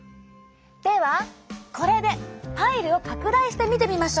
ではこれでパイルを拡大して見てみましょう！